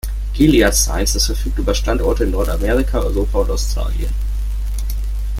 Gilead Sciences verfügt über Standorte in Nordamerika, Europa und Australien.